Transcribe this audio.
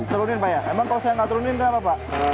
terlurin pak ya emang kalau saya nggak terlurin kenapa pak